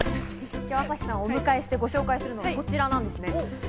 今日、朝日さんをお迎えしてご紹介するのはこちらです。